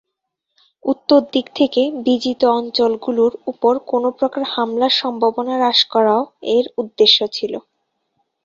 উত্তর দিক থেকে বিজিত অঞ্চলগুলোর উপর কোনো প্রকার হামলার সম্ভাবনা হ্রাস করাও এর উদ্দেশ্য ছিল।